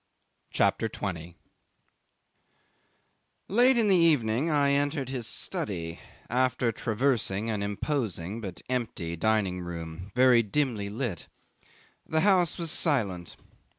CHAPTER 20 'Late in the evening I entered his study, after traversing an imposing but empty dining room very dimly lit. The house was silent.